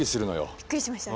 びっくりしましたね